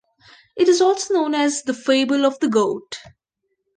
It is also known as "The Fable of the Goat".